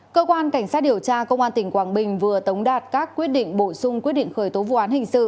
cơ quan cảnh sát điều tra công an tỉnh quảng bình vừa tống đạt các quyết định bổ sung quyết định khởi tố vụ án hình sự